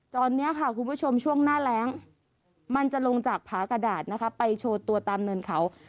ตอนนี้ค่ะคุณผู้ชมช่วงหน้าแรงมันจะลงจากผากระดาษนะคะไปโชว์ตัวตามเนินเขา